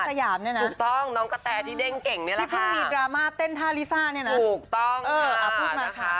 สยามเนี่ยนะที่เพิ่งมีดราม่าเต้นท่าลิซ่าเนี่ยนะพูดมาค่ะ